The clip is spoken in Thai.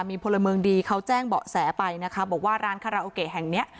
มีพลเมืองดีเขาแจ้งเบาะแสไปนะคะบอกว่าร้านคาราโอเกะแห่งเนี้ย